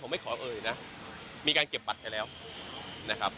ไม่ขอเอ่ยนะมีการเก็บบัตรไปแล้วนะครับ